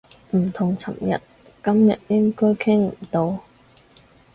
唔同尋日，今日應該傾唔到